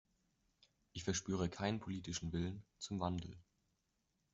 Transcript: Ich verspüre keinen politischen Willen zum Wandel.